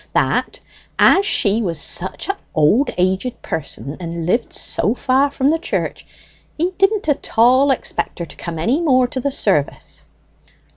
that as she was such a' old aged person, and lived so far from the church, he didn't at all expect her to come any more to the service."